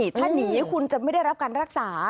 ถ้าหนีคุณจะไม่ได้รับการรักษา